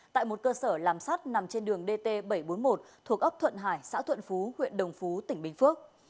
tại một cơ sở làm sắt nằm trên đường dt bảy trăm bốn mươi một thuộc ấp thuận hải xã thuận phú huyện đồng phú tỉnh bình phước